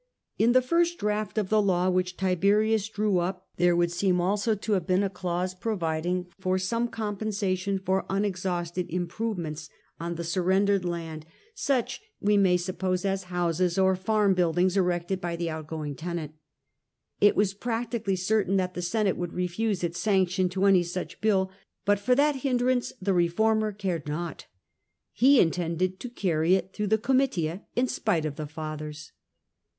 In the first draft of the law which Tiberius drew up, there would seem also to have been a clause providing for some compensation for unexhausted improvements on THE ^'POSSESSORES 27 the surrendered land, such, we may suppose, as houses or farm buildings erected by the outgoing tenant. It was practically certain that the Senate would refuse its sanction to any such bill, but for that hindrance the reformer cared nought. He intended to carry it through the Comitia in spite of the Fathers.